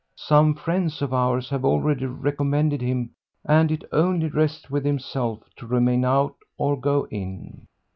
Some friends of ours have already recommended him, and it only rests with himself to remain out or go in."